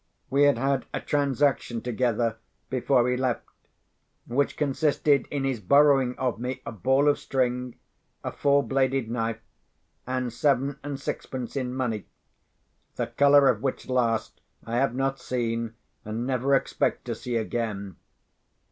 We had had a transaction together, before he left, which consisted in his borrowing of me a ball of string, a four bladed knife, and seven and sixpence in money—the colour of which last I have not seen, and never expect to see again.